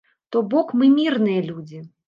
То бок, мы мірныя людзі.